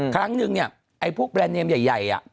ครั้งนึงเนี่ยไอ้พวกแบรนดเนมใหญ่